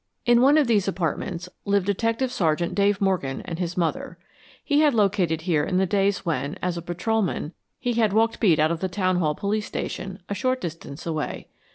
In one of these apartments lived Detective Sergeant Dave Morgan and his mother. He had located here in the days when, as a patrolman, he had walked beat out of the Town Hall Police Station, a short distance away.